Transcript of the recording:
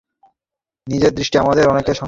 পৃথিবীতে অনেক সম্মানই তো আমাদের নিজের সৃষ্টি।